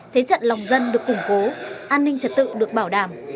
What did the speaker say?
thế trận lòng dân được củng cố an ninh trật tự được bảo đảm